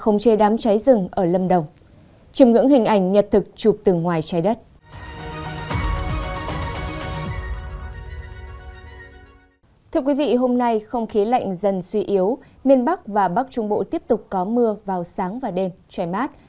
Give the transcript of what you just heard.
hôm nay không khí lạnh dần suy yếu miền bắc và bắc trung bộ tiếp tục có mưa vào sáng và đêm trời mát